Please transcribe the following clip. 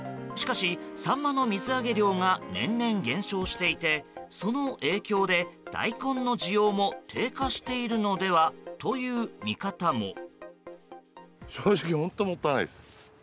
しかし、サンマの水揚げ量が年々減少していて、その影響で大根の需要も低下しているのではという見方も。